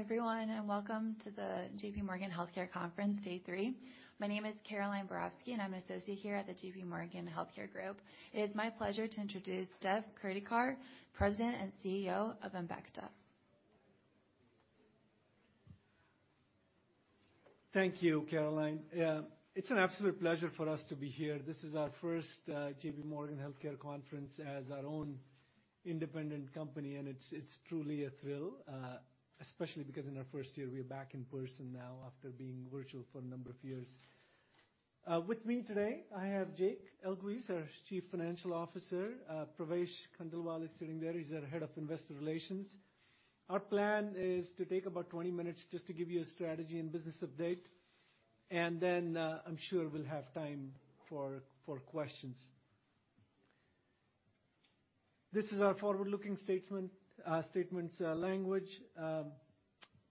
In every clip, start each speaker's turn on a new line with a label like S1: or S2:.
S1: Hi, everyone, welcome to the J.P. Morgan Healthcare Conference, day three. My name is Caroline Borowski, and I'm an associate here at the J.P. Morgan Healthcare Group. It is my pleasure to introduce Dev Kurdikar, President and CEO of Embecta.
S2: Thank you, Caroline. Yeah, it's an absolute pleasure for us to be here. This is our first J.P. Morgan Healthcare Conference as our own independent company, and it's truly a thrill, especially because in our first year we are back in person now after being virtual for a number of years. With me today, I have Jake Elguicze, our Chief Financial Officer. Pravesh Khandelwal is sitting there. He's our Head of Investor Relations. Our plan is to take about 20 minutes just to give you a strategy and business update, and then I'm sure we'll have time for questions. This is our forward-looking statements language.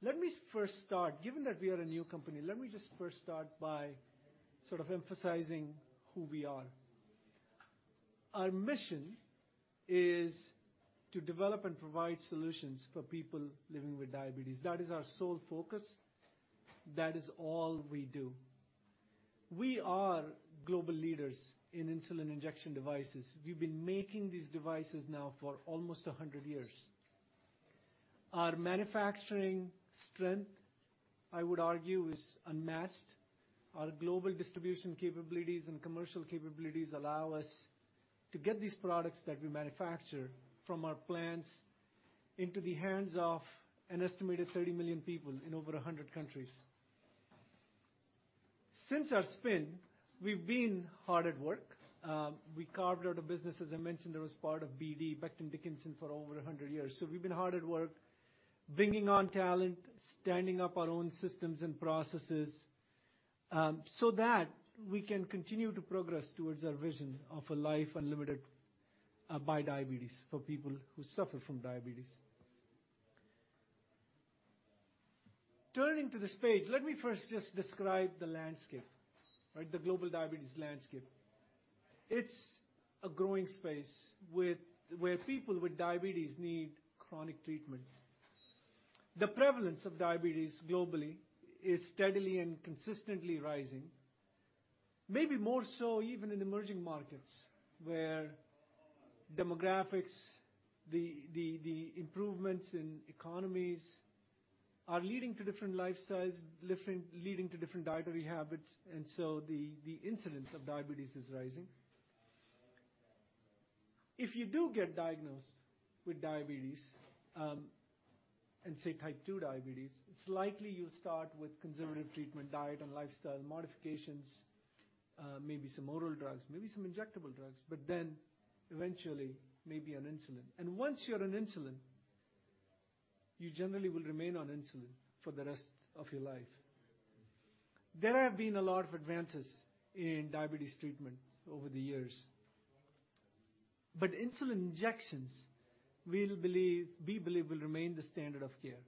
S2: Given that we are a new company, let me just first start by sort of emphasizing who we are. Our mission is to develop and provide solutions for people living with diabetes. That is our sole focus. That is all we do. We are global leaders in insulin injection devices. We've been making these devices now for almost 100 years. Our manufacturing strength, I would argue, is unmatched. Our global distribution capabilities and commercial capabilities allow us to get these products that we manufacture from our plants into the hands of an estimated 30 million people in over 100 countries. Since our spin, we've been hard at work. We carved out a business, as I mentioned, that was part of BD, Becton Dickinson, for over 100 years. We've been hard at work bringing on talent, standing up our own systems and processes, so that we can continue to progress towards our vision of a life unlimited by diabetes for people who suffer from diabetes. Turning to this page, let me first just describe the landscape, right? The global diabetes landscape. It's a growing space where people with diabetes need chronic treatment. The prevalence of diabetes globally is steadily and consistently rising. Maybe more so even in emerging markets, where demographics, the improvements in economies are leading to different lifestyles, leading to different dietary habits. The incidence of diabetes is rising. If you do get diagnosed with diabetes, and say Type 2 diabetes, it's likely you'll start with conservative treatment, diet and lifestyle modifications, maybe some oral drugs, maybe some injectable drugs, but then eventually maybe on insulin. Once you're on insulin, you generally will remain on insulin for the rest of your life. There have been a lot of advances in diabetes treatment over the years, but insulin injections we believe will remain the standard of care.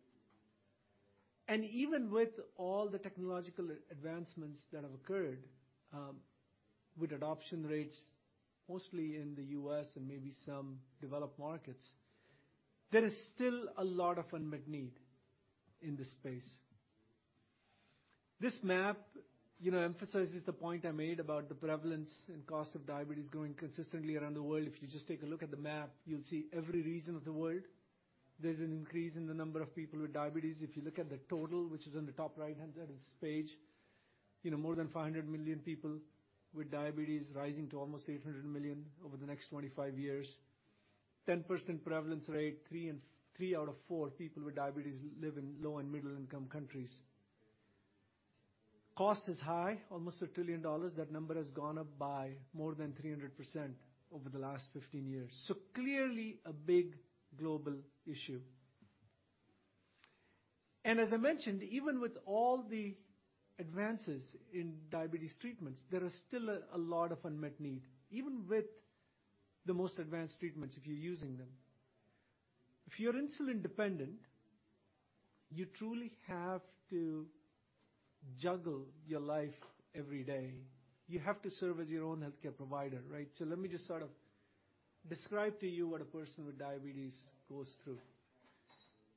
S2: Even with all the technological advancements that have occurred, with adoption rates mostly in the U.S. and maybe some developed markets, there is still a lot of unmet need in this space. This map, emphasizes the point I made about the prevalence and cost of diabetes growing consistently around the world. If you just take a look at the map, you'll see every region of the world, there's an increase in the number of people with diabetes. If you look at the total, which is on the top right-hand side of this page more than 500 million people with diabetes rising to almost 800 million over the next 25 years. 10% prevalence rate, three out of four people with diabetes live in low and middle-income countries. Cost is high, almost $1 trillion. That number has gone up by more than 300% over the last 15 years. Clearly a big global issue. As I mentioned, even with all the advances in diabetes treatments, there is still a lot of unmet need, even with the most advanced treatments if you're using them. If you're insulin dependent, you truly have to juggle your life every day. You have to serve as your own healthcare provider, right? Let me just sort of describe to you what a person with diabetes goes through.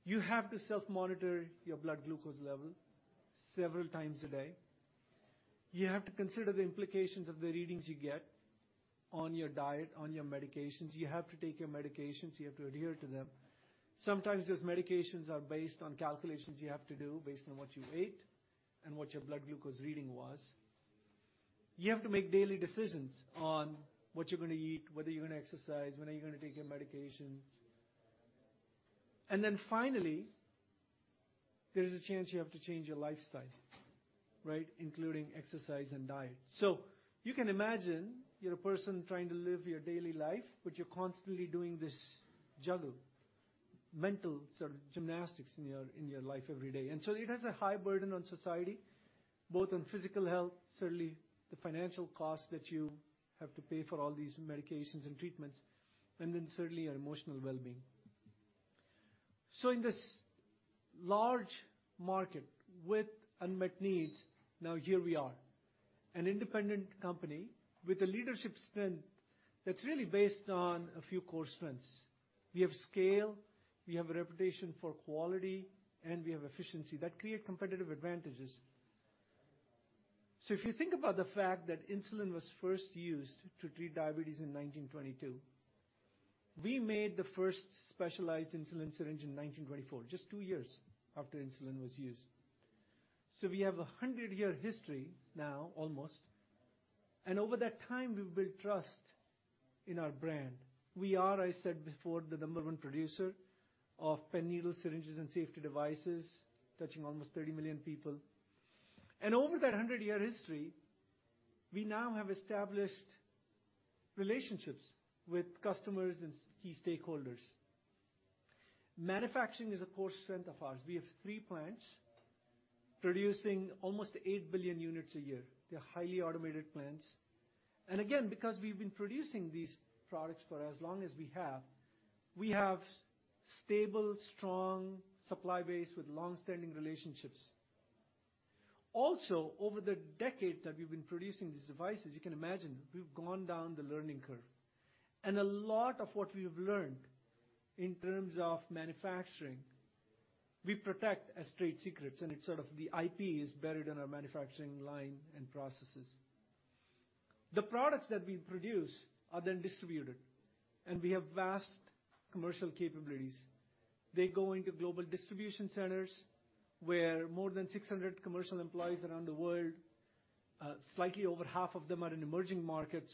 S2: You have to self-monitor your blood glucose level several times a day. You have to consider the implications of the readings you get on your diet, on your medications. You have to take your medications, you have to adhere to them. Sometimes those medications are based on calculations you have to do based on what you ate and what your blood glucose reading was. You have to make daily decisions on what you're gonna eat, whether you're gonna exercise, when are you gonna take your medications. Finally, there's a chance you have to change your lifestyle, right? Including exercise and diet. You can imagine you're a person trying to live your daily life, but you're constantly doing this juggle, mental sort of gymnastics in your life every day. It has a high burden on society, both on physical health, certainly the financial cost that you have to pay for all these medications and treatments, and then certainly your emotional well-being. In this large market with unmet needs, now here we are, an independent company with a leadership strength that's really based on a few core strengths. We have scale, we have a reputation for quality, and we have efficiency that create competitive advantages. If you think about the fact that insulin was first used to treat diabetes in 1922, we made the first specialized insulin syringe in 1924, just 2 years after insulin was used. We have a 100-year history now, almost. Over that time, we've built trust in our brand. We are, I said before, the number one producer of pen needle syringes and safety devices, touching almost 30 million people. Over that 100-year history, we now have established relationships with customers and key stakeholders. Manufacturing is a core strength of ours. We have 3 plants producing almost 8 billion units a year. They're highly automated plants. Again, because we've been producing these products for as long as we have, we have stable, strong supply base with long-standing relationships. Also, over the decades that we've been producing these devices, you can imagine we've gone down the learning curve. A lot of what we have learned in terms of manufacturing, we protect as trade secrets, and it's sort of the IP is buried in our manufacturing line and processes. The products that we produce are then distributed, and we have vast commercial capabilities. They go into global distribution centers where more than 600 commercial employees around the world, slightly over half of them are in emerging markets,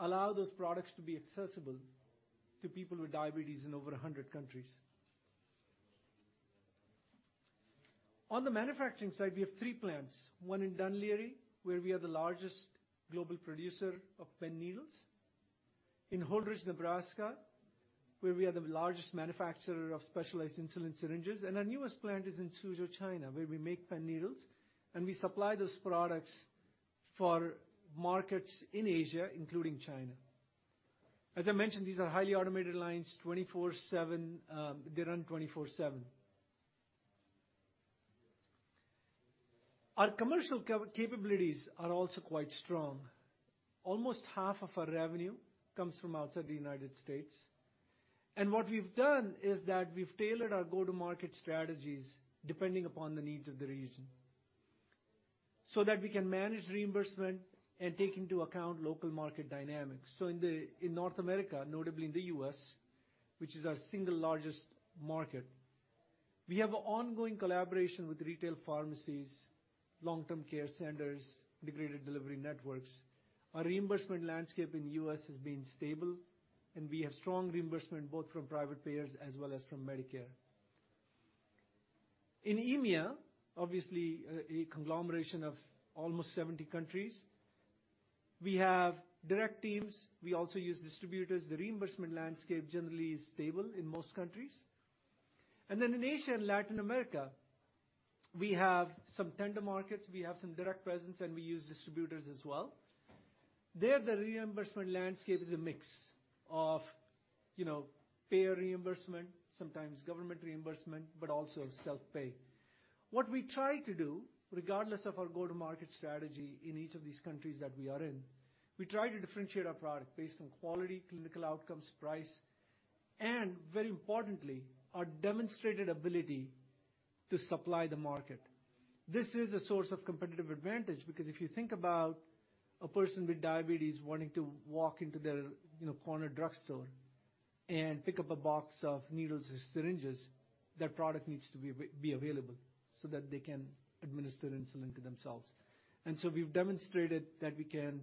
S2: allow those products to be accessible to people with diabetes in over 100 countries. On the manufacturing side, we have three plants, one in Dún Laoghaire, where we are the largest global producer of pen needles. In Holdrege, Nebraska, where we are the largest manufacturer of specialized insulin syringes, and our newest plant is in Suzhou, China, where we make pen needles, and we supply those products for markets in Asia, including China. As I mentioned, these are highly automated lines, they run 24/7. Our commercial capabilities are also quite strong. Almost half of our revenue comes from outside the United States. What we've done is that we've tailored our go-to-market strategies depending upon the needs of the region so that we can manage reimbursement and take into account local market dynamics. In North America, notably in the US, which is our single largest market, we have ongoing collaboration with retail pharmacies, long-term care centers, integrated delivery networks. Our reimbursement landscape in the US has been stable, and we have strong reimbursement both from private payers as well as from Medicare. In EMEA, obviously, a conglomeration of almost 70 countries, we have direct teams. We also use distributors. The reimbursement landscape generally is stable in most countries. Then in Asia and Latin America, we have some tender markets, we have some direct presence, and we use distributors as well. There, the reimbursement landscape is a mix of payer reimbursement, sometimes government reimbursement, but also self-pay. What we try to do, regardless of our go-to-market strategy in each of these countries that we are in, we try to differentiate our product based on quality, clinical outcomes, price, and very importantly, our demonstrated ability to supply the market. This is a source of competitive advantage because if you think about a person with diabetes wanting to walk into their corner drugstore and pick up a box of needles and syringes, that product needs to be available so that they can administer insulin to themselves. We've demonstrated that we can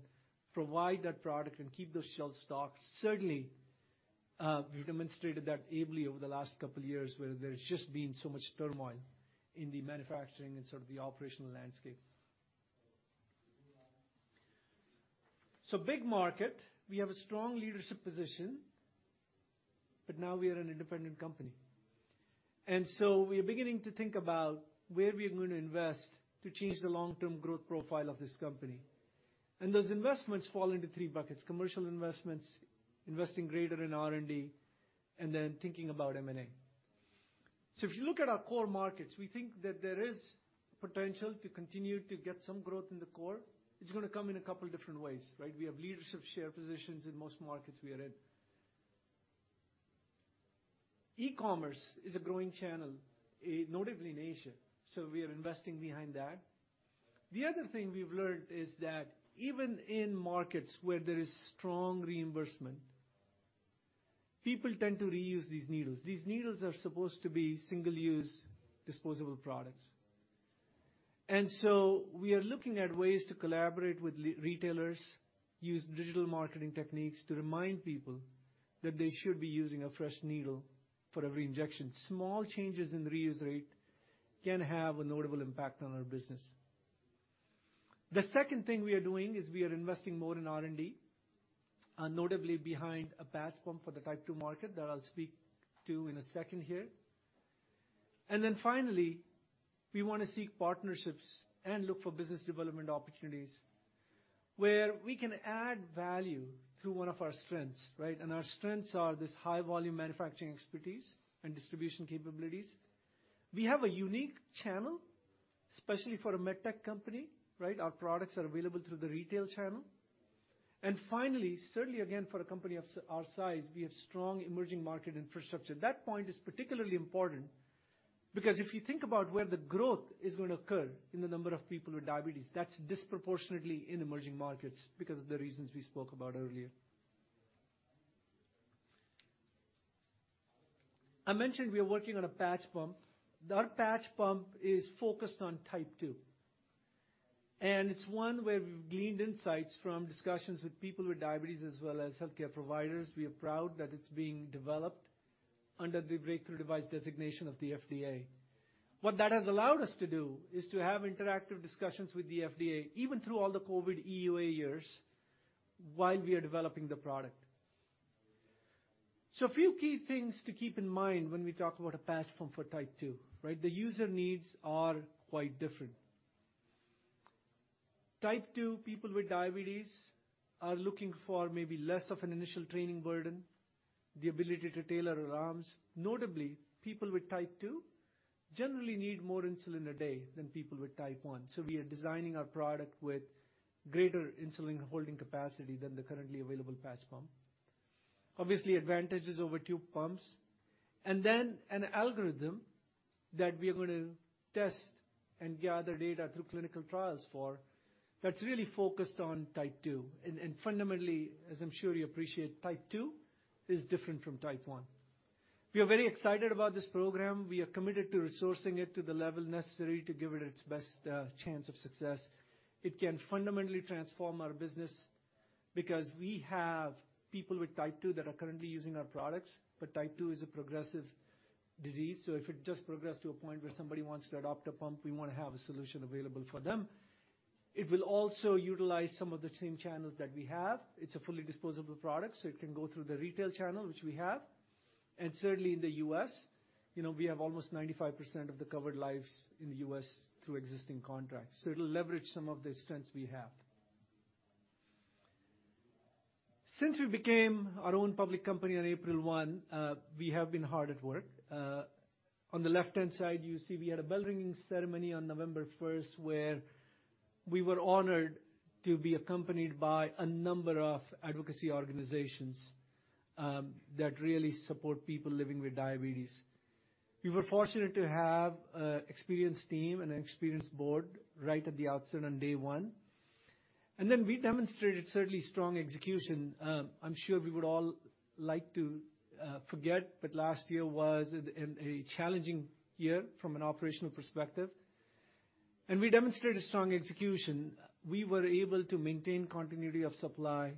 S2: provide that product and keep those shelves stocked. Certainly, we've demonstrated that ably over the last couple years where there's just been so much turmoil in the manufacturing and sort of the operational landscape. Big market, we have a strong leadership position, but now we are an independent company. We are beginning to think about where we are going to invest to change the long-term growth profile of this company. Those investments fall into three buckets: commercial investments, investing greater in R&D, and then thinking about M&A. If you look at our core markets, we think that there is potential to continue to get some growth in the core. It's gonna come in a couple different ways, right? We have leadership share positions in most markets we are in. E-commerce is a growing channel, notably in Asia, so we are investing behind that. The other thing we've learned is that even in markets where there is strong reimbursement, people tend to reuse these needles. These needles are supposed to be single-use disposable products. We are looking at ways to collaborate with retailers, use digital marketing techniques to remind people that they should be using a fresh needle for every injection. Small changes in reuse rate can have a notable impact on our business. The second thing we are doing is we are investing more in R&D, notably behind a patch pump for the Type 2 market that I'll speak to in a second here. Finally, we wanna seek partnerships and look for business development opportunities where we can add value through one of our strengths, right? Our strengths are this high volume manufacturing expertise and distribution capabilities. We have a unique channel, especially for a med tech company, right? Our products are available through the retail channel. Finally, certainly again for a company of our size, we have strong emerging market infrastructure. That point is particularly important because if you think about where the growth is gonna occur in the number of people with diabetes, that's disproportionately in emerging markets because of the reasons we spoke about earlier. I mentioned we are working on a patch pump. Our patch pump is focused on Type 2, and it's one where we've gleaned insights from discussions with people with diabetes as well as healthcare providers. We are proud that it's being developed under the Breakthrough Device designation of the FDA. What that has allowed us to do is to have interactive discussions with the FDA, even through all the COVID EUA years while we are developing the product. A few key things to keep in mind when we talk about a patch pump for Type 2, right? The user needs are quite different. Type 2 people with diabetes are looking for maybe less of an initial training burden, the ability to tailor alarms. Notably, people with Type 2 generally need more insulin a day than people with Type 1, so we are designing our product with greater insulin holding capacity than the currently available patch pump. Obviously, advantages over tube pumps. An algorithm that we are going to test and gather data through clinical trials for, that's really focused on Type 2. Fundamentally, as I'm sure you appreciate, Type 2 is different from Type 1. We are very excited about this program. We are committed to resourcing it to the level necessary to give it its best chance of success. It can fundamentally transform our business because we have people with Type 2 that are currently using our products, but Type 2 is a progressive disease, so if it does progress to a point where somebody wants to adopt a pump, we wanna have a solution available for them. It will also utilize some of the same channels that we have. It's a fully disposable product, so it can go through the retail channel, which we have. Certainly in the US, we have almost 95% of the covered lives in the US through existing contracts, so it'll leverage some of the strengths we have. Since we became our own public company on April 1, we have been hard at work. On the left-hand side, you see we had a bell ringing ceremony on November first, where we were honored to be accompanied by a number of advocacy organizations that really support people living with diabetes. We were fortunate to have a experienced team and an experienced board right at the outset on day one. We demonstrated certainly strong execution. I'm sure we would all like to forget, last year was a challenging year from an operational perspective. We demonstrated strong execution. We were able to maintain continuity of supply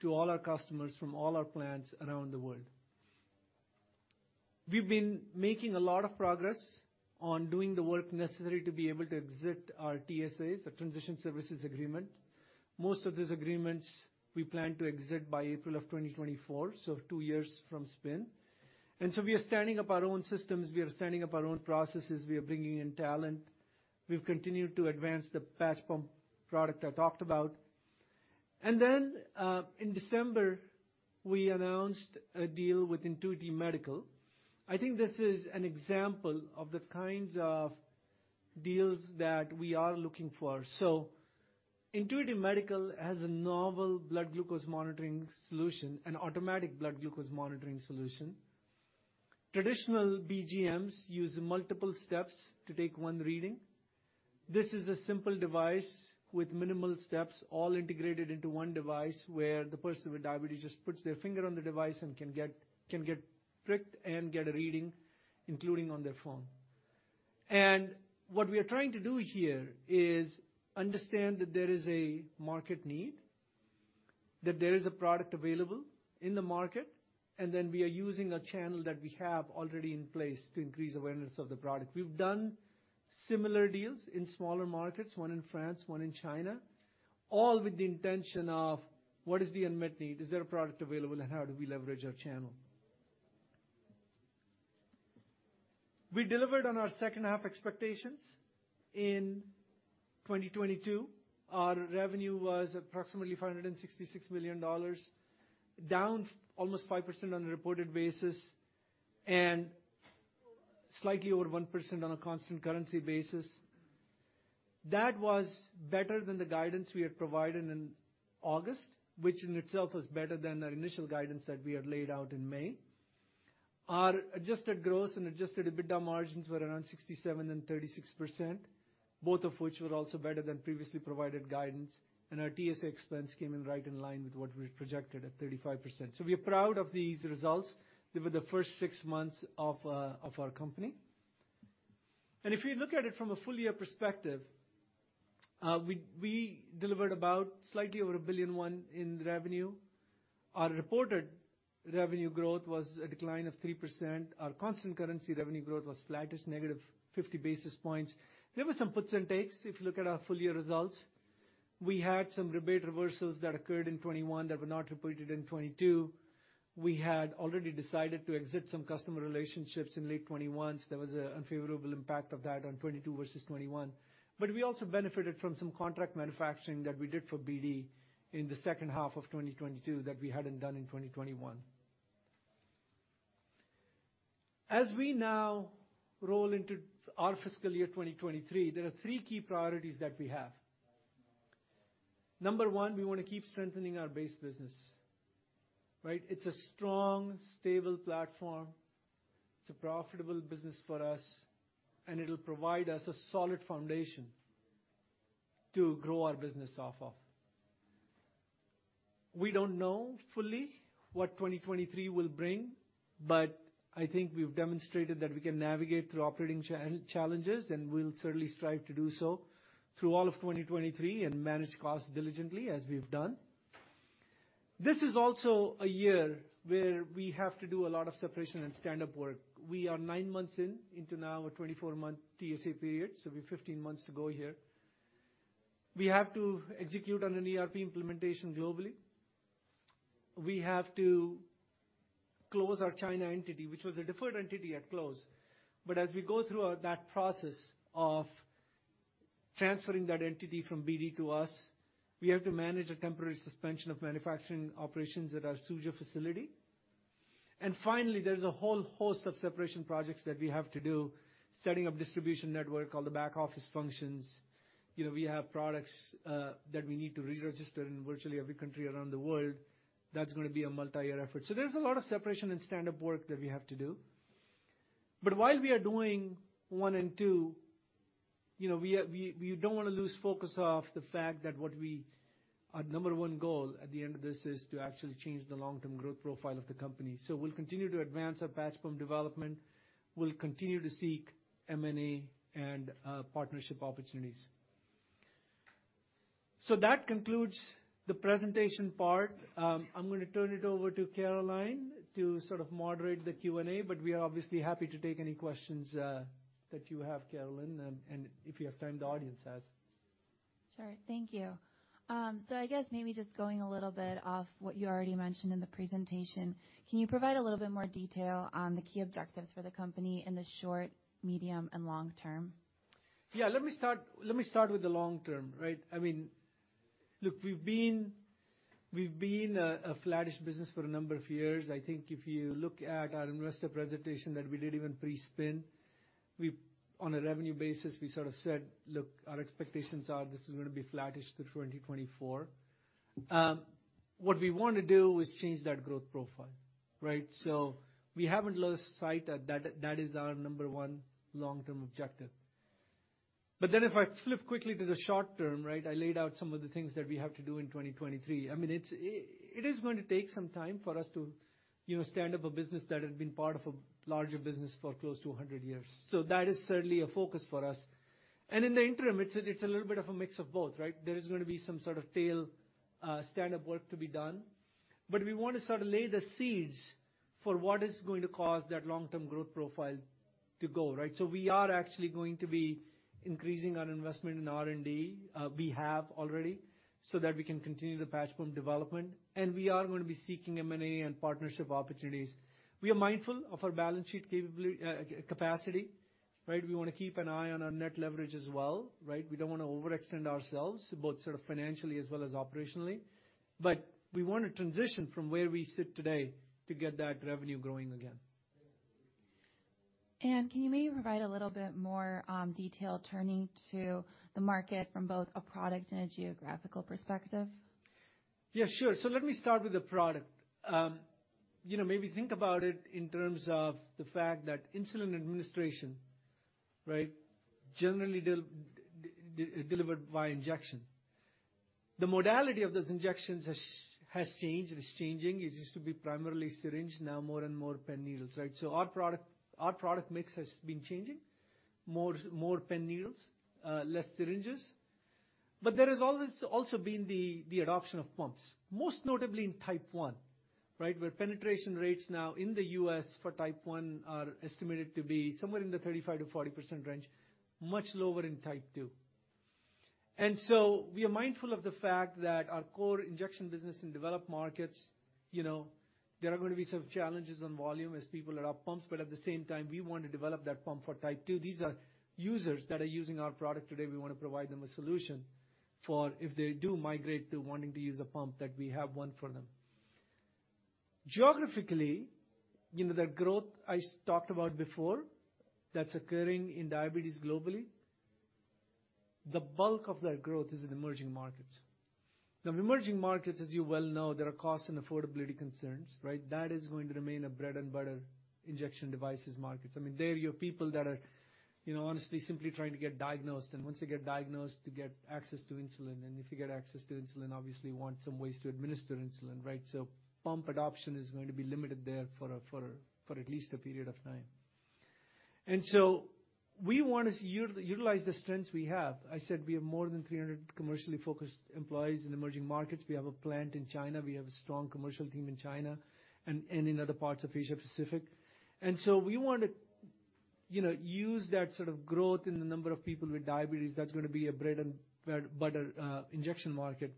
S2: to all our customers from all our plants around the world. We've been making a lot of progress on doing the work necessary to be able to exit our TSAs, our transition services agreement. Most of these agreements we plan to exit by April of 2024, so two years from spin. We are standing up our own systems, we are standing up our own processes, we are bringing in talent. We've continued to advance the patch pump product I talked about. In December, we announced a deal with Intuity Medical. I think this is an example of the kinds of deals that we are looking for. Intuity Medical has a novel blood glucose monitoring solution, an automatic blood glucose monitoring solution. Traditional BGMs use multiple steps to take one reading. This is a simple device with minimal steps all integrated into one device, where the person with diabetes just puts their finger on the device and can get pricked and get a reading, including on their phone. What we are trying to do here is understand that there is a market need, that there is a product available in the market, and then we are using a channel that we have already in place to increase awareness of the product. We've done similar deals in smaller markets, one in France, one in China, all with the intention of what is the unmet need? Is there a product available, and how do we leverage our channel? We delivered on our second half expectations in 2022. Our revenue was approximately $566 million, down almost 5% on a reported basis and slightly over 1% on a constant currency basis. That was better than the guidance we had provided in August, which in itself was better than our initial guidance that we had laid out in May. Our adjusted gross and adjusted EBITDA margins were around 67% and 36%, both of which were also better than previously provided guidance. Our TSA expense came in right in line with what we'd projected at 35%. We are proud of these results. They were the first 6 months of our company. If we look at it from a full year perspective, we delivered about slightly over $1.1 billion in revenue. Our reported revenue growth was a decline of 3%. Our constant currency revenue growth was flattish, negative 50 basis points. There were some puts and takes if you look at our full year results. We had some rebate reversals that occurred in 2021 that were not reported in 2022. We had already decided to exit some customer relationships in late 2021. There was an unfavorable impact of that on 2022 versus 2021. We also benefited from some contract manufacturing that we did for BD in the second half of 2022 that we hadn't done in 2021. As we now roll into our fiscal year 2023, there are three key priorities that we have. Number one, we wanna keep strengthening our base business, right? It's a strong, stable platform. It's a profitable business for us, and it'll provide us a solid foundation to grow our business off of. We don't know fully what 2023 will bring, but I think we've demonstrated that we can navigate through operating challenges, and we'll certainly strive to do so through all of 2023 and manage costs diligently as we've done. This is also a year where we have to do a lot of separation and stand-up work. We are 9 months into now a 24-month TSA period. We've 15 months to go here. We have to execute on an ERP implementation globally. We have to close our China entity, which was a deferred entity at close. As we go through that process of transferring that entity from BD to us, we have to manage a temporary suspension of manufacturing operations at our Suzhou facility. Finally, there's a whole host of separation projects that we have to do, setting up distribution network, all the back office functions. We have products that we need to re-register in virtually every country around the world. That's gonna be a multi-year effort. There's a lot of separation and stand-up work that we have to do. While we are doing 1 and 2, we don't wanna lose focus of the fact that Our number 1 goal at the end of this is to actually change the long-term growth profile of the company. We'll continue to advance our patch pump development. We'll continue to seek M&A and partnership opportunities. That concludes the presentation part. I'm gonna turn it over to Caroline to sort of moderate the Q&A. We are obviously happy to take any questions that you have, Caroline, and if you have time, the audience has.
S1: Sure. Thank you. I guess maybe just going a little bit off what you already mentioned in the presentation, can you provide a little bit more detail on the key objectives for the company in the short, medium, and long term?
S2: Yeah. Let me start with the long term, right? I mean, look, we've been a flattish business for a number of years. I think if you look at our investor presentation that we did even pre-spin, we, on a revenue basis, we sort of said, "Look, our expectations are this is gonna be flattish through 2024." What we want to do is change that growth profile, right? We haven't lost sight of that is our number 1 long-term objective. If I flip quickly to the short term, right, I laid out some of the things that we have to do in 2023. I mean, it is going to take some time for us to stand up a business that had been part of a larger business for close to 100 years. That is certainly a focus for us. In the interim, it's a little bit of a mix of both, right? There is going to be some sort of tail stand-up work to be done. We want to sort of lay the seeds for what is going to cause that long-term growth profile to go, right? We are actually going to be increasing our investment in R&D, we have already, so that we can continue the patch pump development, and we are going to be seeking M&A and partnership opportunities. We are mindful of our balance sheet capacity, right? We want to keep an eye on our net leverage as well, right? We don't want to overextend ourselves, both sort of financially as well as operationally. We want to transition from where we sit today to get that revenue growing again.
S1: Can you maybe provide a little bit more detail turning to the market from both a product and a geographical perspective?
S2: Yeah, sure. Let me start with the product. Maybe think about it in terms of the fact that insulin administration, right, generally delivered via injection. The modality of those injections has changed. It is changing. It used to be primarily syringe, now more and more pen needles, right? Our product mix has been changing. More pen needles, less syringes. There has always also been the adoption of pumps, most notably in Type 1, right? Where penetration rates now in the U.S. for Type 1 are estimated to be somewhere in the 35%-40% range, much lower in Type 2. We are mindful of the fact that our core injection business in developed markets there are gonna be some challenges on volume as people adopt pumps, but at the same time, we want to develop that pump for Type 2. These are users that are using our product today, we wanna provide them a solution for if they do migrate to wanting to use a pump, that we have one for them. Geographically, the growth I talked about before that's occurring in diabetes globally, the bulk of that growth is in emerging markets. In emerging markets, as you well know, there are costs and affordability concerns, right? That is going to remain a bread and butter injection devices markets. I mean, they're your people that are honestly simply trying to get diagnosed, and once they get diagnosed, to get access to insulin. If you get access to insulin, obviously want some ways to administer insulin, right? Pump adoption is going to be limited there for at least a period of time. We want to utilize the strengths we have. I said we have more than 300 commercially focused employees in emerging markets. We have a plant in China, we have a strong commercial team in China and in other parts of Asia Pacific. We want to use that sort of growth in the number of people with diabetes that's gonna be a bread and butter injection market.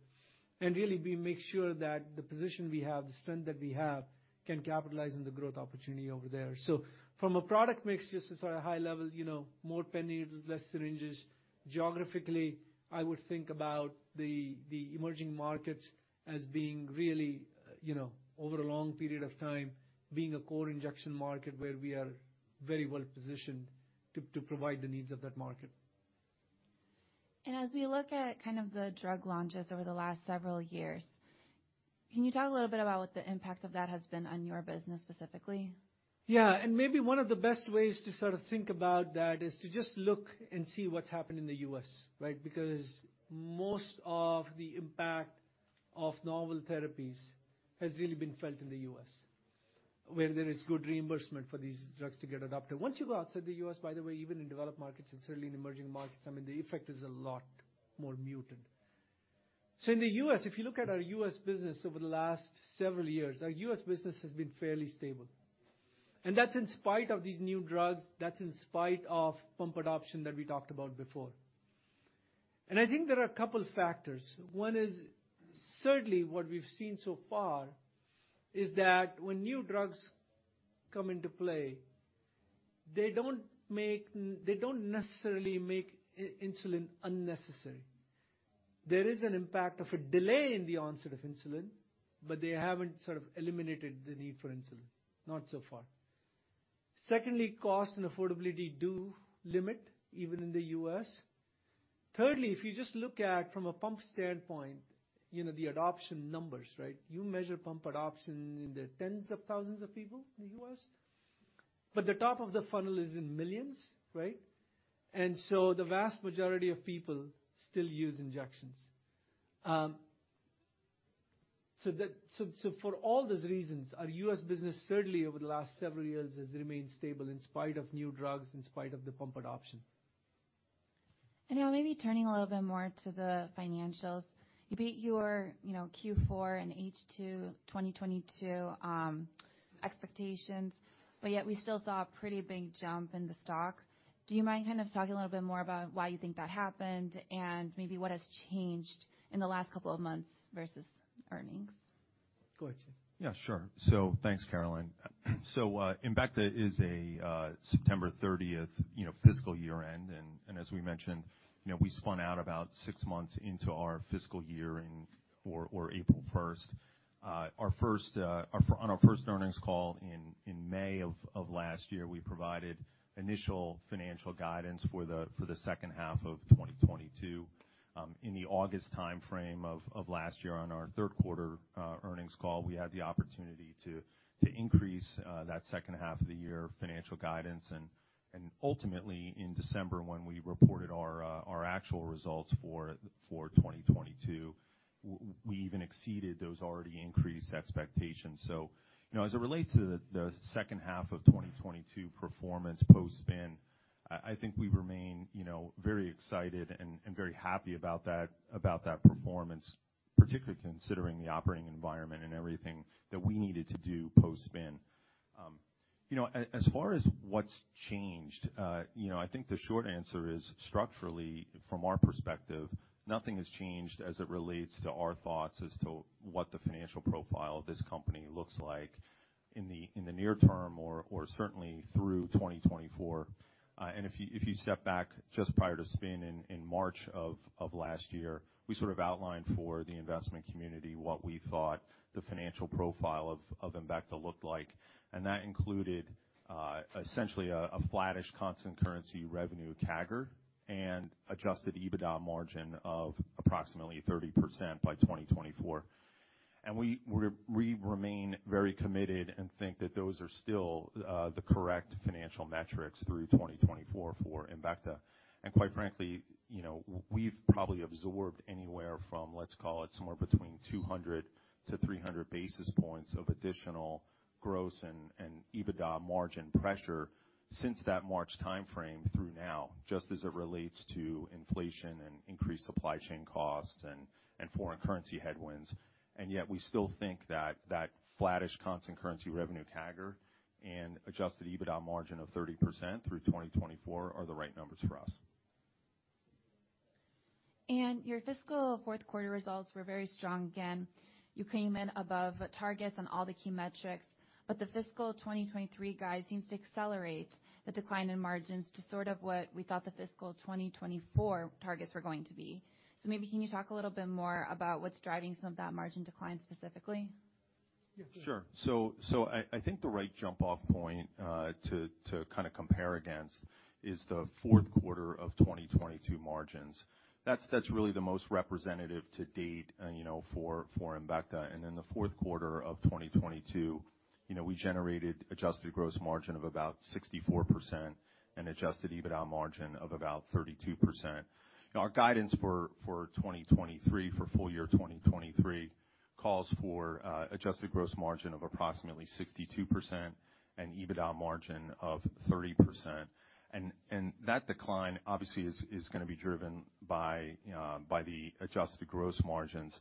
S2: Really we make sure that the position we have, the strength that we have can capitalize on the growth opportunity over there. From a product mix just to sort of high level more pen needles, less syringes. Geographically, I would think about the emerging markets as being really over a long period of time, being a core injection market where we are very well positioned to provide the needs of that market.
S1: As we look at kind of the drug launches over the last several years, can you talk a little bit about what the impact of that has been on your business specifically?
S2: Yeah. Maybe one of the best ways to sort of think about that is to just look and see what's happened in the U.S., right? Most of the impact of novel therapies has really been felt in the U.S. where there is good reimbursement for these drugs to get adopted. Once you go outside the U.S., by the way, even in developed markets and certainly in emerging markets, I mean the effect is a lot more muted. In the U.S., if you look at our U.S. business over the last several years, our U.S. business has been fairly stable. That's in spite of these new drugs, that's in spite of pump adoption that we talked about before. I think there are a couple factors. One is certainly what we've seen so far is that when new drugs come into play, they don't necessarily make insulin unnecessary. There is an impact of a delay in the onset of insulin, but they haven't sort of eliminated the need for insulin, not so far. Secondly, cost and affordability do limit even in the U.S. Thirdly, if you just look at from a pump standpoint, you know the adoption numbers, right? You measure pump adoption in the tens of thousands of people in the U.S., but the top of the funnel is in millions, right? The vast majority of people still use injections. For all those reasons, our U.S. business certainly over the last several years has remained stable in spite of new drugs, in spite of the pump adoption.
S1: Now maybe turning a little bit more to the financials. You beat your Q4 and H2 of 2022 expectations. Yet we still saw a pretty big jump in the stock. Do you mind kind of talking a little bit more about why you think that happened and maybe what has changed in the last couple of months versus earnings?
S2: Go ahead, Jake.
S3: Yeah, sure. Thanks Caroline. Embecta is a September 30th, fiscal year end and as we mentioned, we spun out about 6 months into our fiscal year in or April 1st. On our first earnings call in May of last year, we provided initial financial guidance for the second half of 2022. In the August timeframe of last year on our 3rd quarter earnings call, we had the opportunity to increase that second half of the year financial guidance. Ultimately in December when we reported our actual results for 2022, we even exceeded those already increased expectations. As it relates to the second half of 2022 performance post spin, I think we remain very excited and very happy about that performance, particularly considering the operating environment and everything that we needed to do post spin. As far as what's changed, I think the short answer is structurally from our perspective, nothing has changed as it relates to our thoughts as to what the financial profile of this company looks like in the near term or certainly through 2024. And if you, if you step back just prior to spin in March of last year, we sort of outlined for the investment community what we thought the financial profile of Embecta looked like. That included essentially a flattish constant currency revenue CAGR and adjusted EBITDA margin of approximately 30% by 2024. We remain very committed and think that those are still the correct financial metrics through 2024 for Embecta. Quite frankly, we've probably absorbed anywhere from let's call it somewhere between 200-300 basis points of additional gross and EBITDA margin pressure since that March timeframe through now, just as it relates to inflation and increased supply chain costs and foreign currency headwinds. Yet we still think that that flattish constant currency revenue CAGR and adjusted EBITDA margin of 30% through 2024 are the right numbers for us.
S1: Your fiscal fourth quarter results were very strong. Again, you came in above targets on all the key metrics. The fiscal 2023 guide seems to accelerate the decline in margins to sort of what we thought the fiscal 2024 targets were going to be. Maybe can you talk a little bit more about what's driving some of that margin decline specifically?
S2: Yeah.
S3: Sure. I think the right jump off point to kind of compare against is the 4th quarter of 2022 margins. That's really the most representative to date for Embecta. In the 4th quarter of 2022, we generated adjusted gross margin of about 64% and adjusted EBITDA margin of about 32%. Our guidance for 2023, for full year 2023 calls for adjusted gross margin of approximately 62% and EBITDA margin of 30%. That decline obviously is gonna be driven by the adjusted gross margins,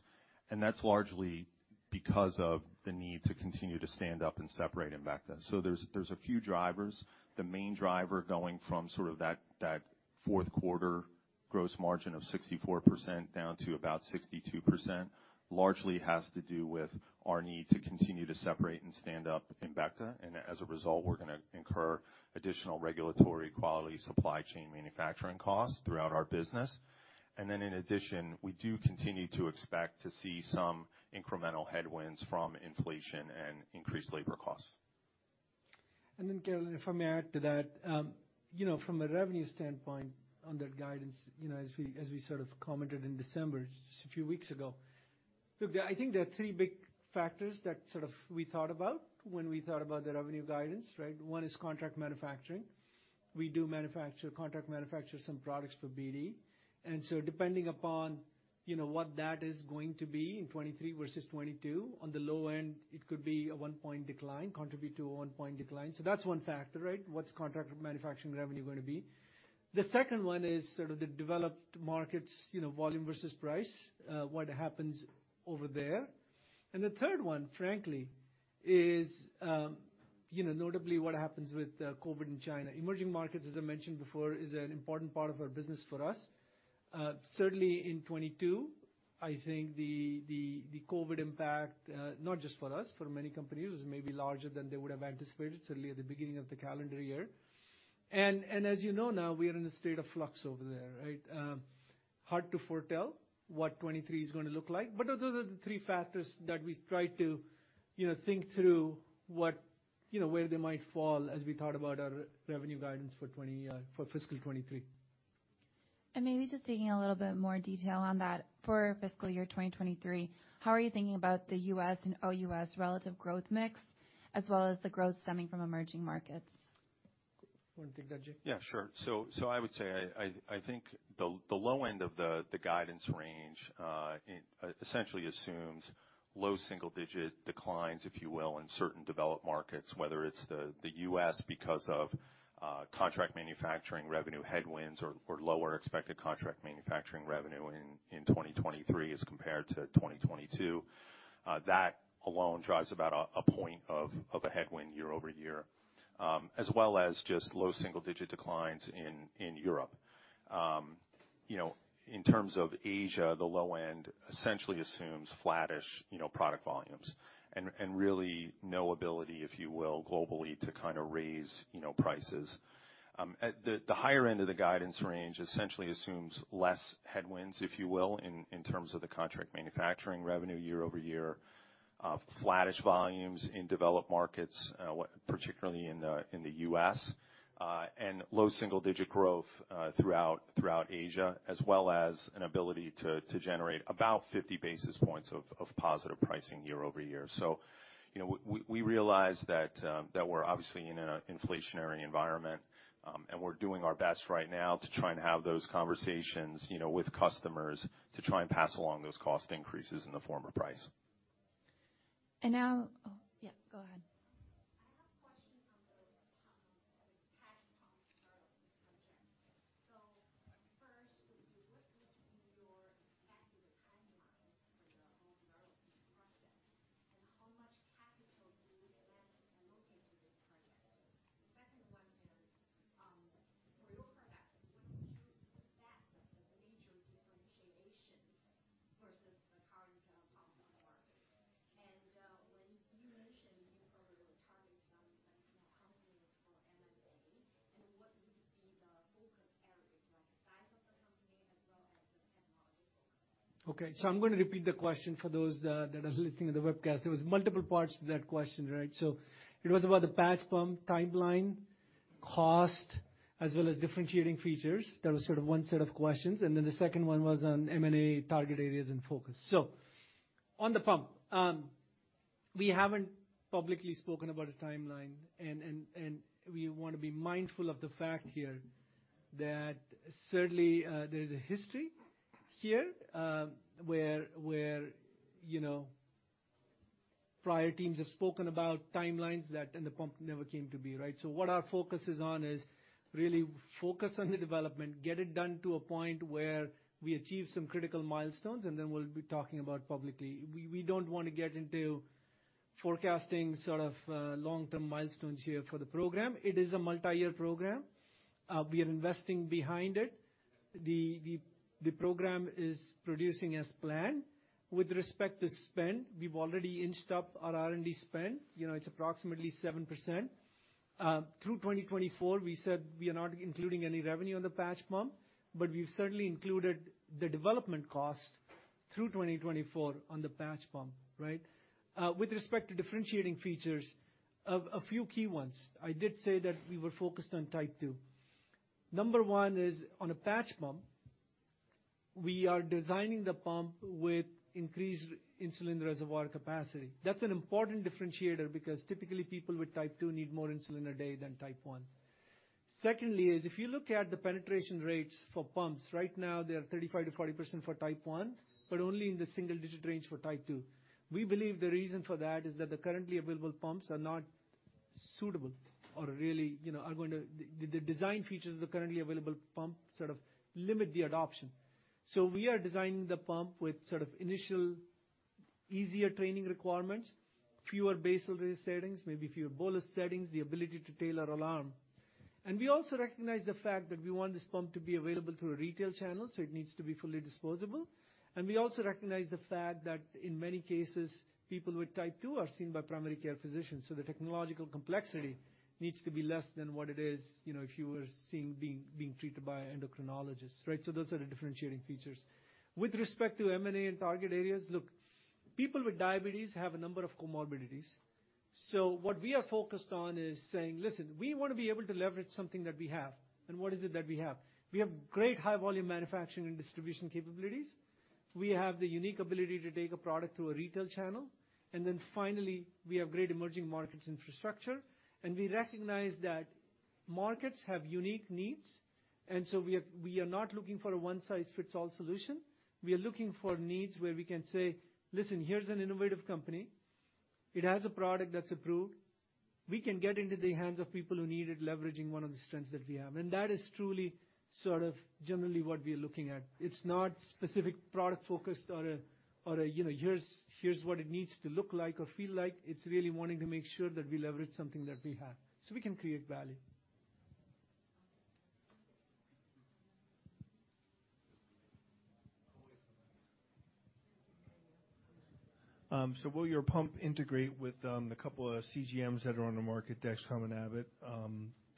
S3: and that's largely because of the need to continue to stand up and separate Embecta. There's a few drivers. The main driver going from sort of that fourth quarter gross margin of 64% down to about 62% largely has to do with our need to continue to separate and stand up Embecta. As a result, we're gonna incur additional regulatory quality supply chain manufacturing costs throughout our business. Then in addition, we do continue to expect to see some incremental headwinds from inflation and increased labor costs.
S2: Caroline, if I may add to that from a revenue standpoint on that guidance as we sort of commented in December, just a few weeks ago. Look, I think there are three big factors that sort of we thought about when we thought about the revenue guidance, right? One is contract manufacturing. We do manufacture, contract manufacture some products for BD. Depending upon what that is going to be in 2023 versus 2022 on the low end it could be a 1-point decline, contribute to a 1-point decline. That's one factor, right? What's contract manufacturing revenue gonna be? The second one is sort of the developed markets volume versus price, what happens over there. The third one, frankly, is, notably what happens with COVID in China. Emerging markets, as I mentioned before, is an important part of our business for us. Certainly in 2022, I think the COVID impact, not just for us, for many companies, was maybe larger than they would have anticipated certainly at the beginning of the calendar year. As you know now, we are in a state of flux over there, right? Hard to foretell what 2023 is gonna look like. Those are the three factors that we try to think through what, where they might fall as we thought about our revenue guidance for fiscal 2023.
S1: Maybe just digging a little bit more detail on that for fiscal year 2023, how are you thinking about the U.S. and OUS relative growth mix as well as the growth stemming from emerging markets?
S2: Wanna take that, Jake?
S3: Yeah, sure. I would say I think the low end of the guidance range essentially assumes low single digit declines, if you will, in certain developed markets, whether it's the U.S. because of contract manufacturing revenue headwinds or lower expected contract manufacturing revenue in 2023 as compared to 2022. That alone drives about a point of a headwind year-over-year. As well as just low single digit declines in Europe. In terms of Asia, the low end essentially assumes flattish, product volumes and really no ability, if you will, globally to kinda raise prices. At the higher end of the guidance range essentially assumes less headwinds, if you will, in terms of the contract manufacturing revenue year-over-year, flattish volumes in developed markets, particularly in the, in the U.S., and low single digit growth, throughout Asia, as well as an ability to generate about 50 basis points of positive pricing year-over-year. You know, we realize that we're obviously in an inflationary environment, and we're doing our best right now to try and have those conversations with customers to try and pass along those cost increases in the form of price.
S1: Oh, yeah, go ahead.
S2: here where prior teams have spoken about timelines and the pump never came to be, right? What our focus is on is really focus on the development, get it done to a point where we achieve some critical milestones, and then we'll be talking about publicly. We don't wanna get into forecasting sort of long-term milestones here for the program. It is a multiyear program. We are investing behind it. The program is producing as planned. With respect to spend, we've already inched up our R&D spend. You know, it's approximately 7%. Through 2024, we said we are not including any revenue on the patch pump, but we've certainly included the development cost through 2024 on the patch pump, right? With respect to differentiating features, a few key ones. I did say that we were focused on Type 2. Number one is on a patch pump, we are designing the pump with increased insulin reservoir capacity. That's an important differentiator because typically people with Type 2 need more insulin a day than Type 1. Secondly is if you look at the penetration rates for pumps, right now they are 35%-40% for Type 1, but only in the single-digit range for Type 2. We believe the reason for that is that the currently available pumps are not suitable or really, the design features of the currently available pump sort of limit the adoption. So we are designing the pump with sort of initial easier training requirements, fewer basal settings, maybe fewer bolus settings, the ability to tailor alarm. We also recognize the fact that we want this pump to be available through a retail channel, so it needs to be fully disposable. We also recognize the fact that in many cases, people with Type 2 are seen by primary care physicians, so the technological complexity needs to be less than what it is, you know, if you were being treated by endocrinologists, right? Those are the differentiating features. With respect to M&A and target areas, look, people with diabetes have a number of comorbidities. What we are focused on is saying, "Listen, we wanna be able to leverage something that we have." What is it that we have? We have great high volume manufacturing and distribution capabilities. We have the unique ability to take a product through a retail channel. Then finally, we have great emerging markets infrastructure, and we recognize that markets have unique needs. We are not looking for a one-size-fits-all solution. We are looking for needs where we can say, "Listen, here's an innovative company. It has a product that's approved. We can get into the hands of people who need it, leveraging one of the strengths that we have." That is truly sort of generally what we're looking at. It's not specific product focused or a, you know, here's what it needs to look like or feel like. It's really wanting to make sure that we leverage something that we have so we can create value.
S4: Will your pump integrate with the couple of CGMs that are on the market, Dexcom and Abbott,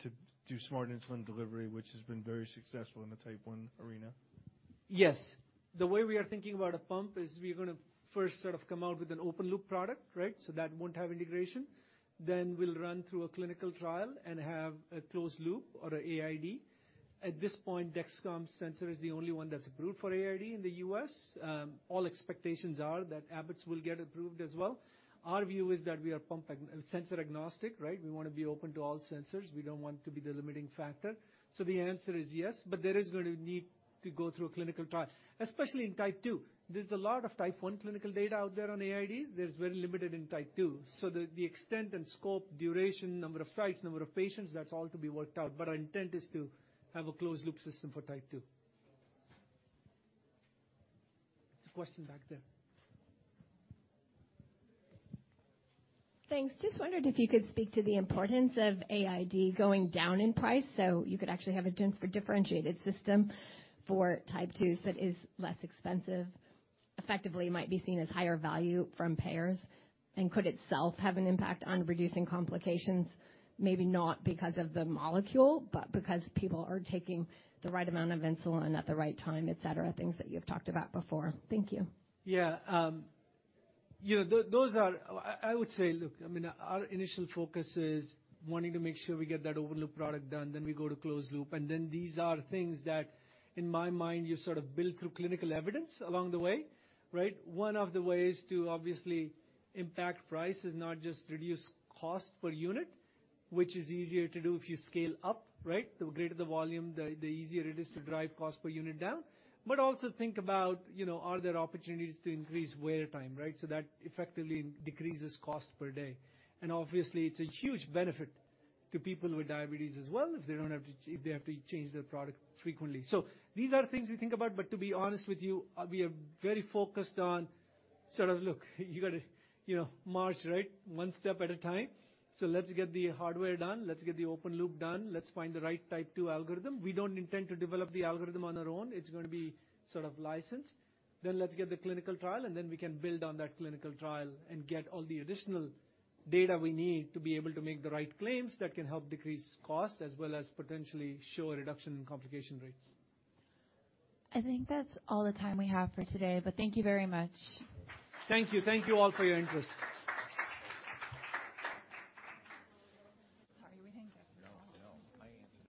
S4: to do smart insulin delivery, which has been very successful in the Type 1 arena?
S2: Yes. The way we are thinking about a pump is we're gonna first sort of come out with an open-loop product, right? That won't have integration. We'll run through a clinical trial and have a closed-loop or a AID. At this point, Dexcom sensor is the only one that's approved for AID in the U.S. All expectations are that Abbott's will get approved as well. Our view is that we are pump and sensor agnostic, right? We wanna be open to all sensors. We don't want to be the limiting factor. The answer is yes, but there is gonna need to go through a clinical trial, especially in Type 2. There's a lot of Type 1 clinical data out there on AID. There's very limited in Type 2. The extent and scope, duration, number of sites, number of patients, that's all to be worked out, but our intent is to have a closed-loop system for Type 2. There's a question back there.
S4: Thanks. Just wondered if you could speak to the importance of AID going down in price, you could actually have a differentiated system for Type 2s that is less expensive, effectively might be seen as higher value from payers, and could itself have an impact on reducing complications, maybe not because of the molecule, but because people are taking the right amount of insulin at the right time, et cetera, things that you've talked about before. Thank you.
S2: Yeah. Those are, I would say, look, I mean, our initial focus is wanting to make sure we get that open-loop product done, then we go to closed-loop, and then these are things that, in my mind, you sort of build through clinical evidence along the way, right? One of the ways to obviously impact price is not just reduce cost per unit, which is easier to do if you scale up, right? The greater the volume, the easier it is to drive cost per unit down. But also think about, you know, are there opportunities to increase wear time, right? So that effectively decreases cost per day. And obviously, it's a huge benefit to people with diabetes as well if they have to change their product frequently. These are things we think about, but to be honest with you, we are very focused on sort of, look, you gotta, you know, march, right? One step at a time. Let's get the hardware done. Let's get the open-loop done. Let's find the right Type 2 algorithm. We don't intend to develop the algorithm on our own. It's gonna be sort of licensed. Let's get the clinical trial, and then we can build on that clinical trial and get all the additional data we need to be able to make the right claims that can help decrease cost as well as potentially show a reduction in complication rates.
S1: I think that's all the time we have for today, but thank you very much.
S2: Thank you. Thank you all for your interest.
S1: Are you reading?
S4: No.